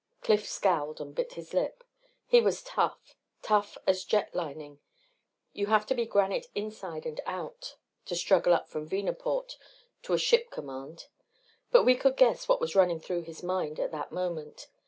Cliff scowled and bit his lip. He was tough, tough as jet lining you have to be granite inside and out to struggle up from Venaport to a ship command. But we could guess what was running through his mind at that moment.